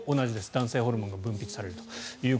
男性ホルモンが分泌されると。